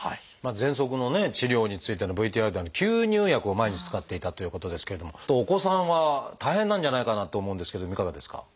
ぜんそくの治療についてのＶＴＲで吸入薬を毎日使っていたということですけれどもお子さんは大変なんじゃないかなと思うんですけどもいかがですか？